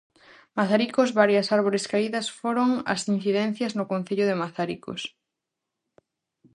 Mazaricos varias árbores caídas foron as incidencias no concello de Mazaricos.